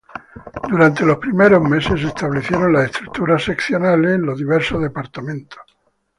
Durante los primeros meses, se establecieron las estructuras seccionales en los diversos departamentos.